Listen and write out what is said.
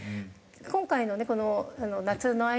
今回のねこの夏の間にですね